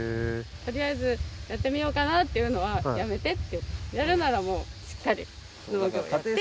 とりあえずやってみようかなっていうのはやめてってやるならもうしっかり農業やってって。